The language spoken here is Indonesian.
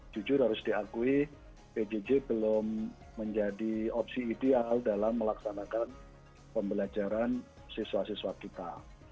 jujur harus diakui pjj belum menjadi opsi ideal dalam melaksanakan pembelajaran siswa siswa kita